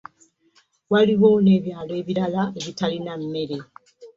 Waliwo n'ebyalo ebirala ebitalina mmere.